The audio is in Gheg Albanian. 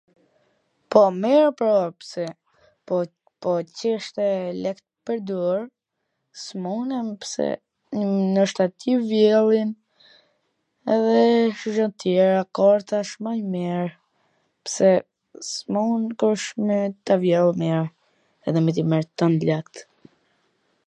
po mir, po pse, po q ishte let pwrdor, s' munem pse noshta ti vjelljen edhe gjana tjera kot por tash mw mir, pse s' mun kush me ta vjell mir, edhe me t'i marr twmblat